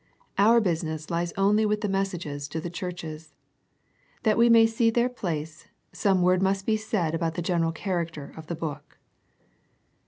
Our business lies only with the messages to the churches. That we may see their place, some word must be said about the general character of the book.